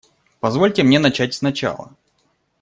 Позвольте мне начать с начала.